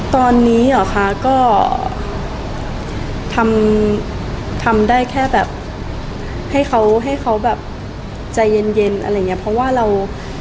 ตอนนี้หรอคะก็ทำได้แค่แบบให้เขาใจเย็นเพราะว่าเรา